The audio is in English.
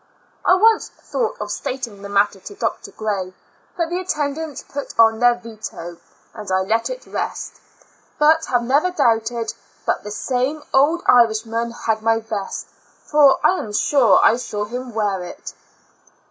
I once thought of stating the matter to Dr. Gray, but the attendants put on their veto, and I let it rest, but have never doubted but this same old Irishman had my vest, for I am sure I saw him wear it.